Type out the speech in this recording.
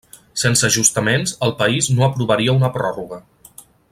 Sense ajustaments, el país no aprovaria una pròrroga.